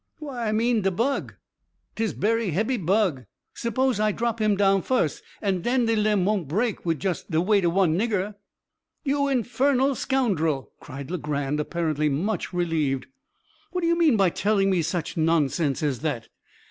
"Why, I mean de bug. 'Tis berry hebby bug. Spose I drop him down fuss, and den de limb won't break wid just de weight of one nigger." "You infernal scoundrel!" cried Legrand, apparently much relieved, "what do you mean by telling me such nonsense as that?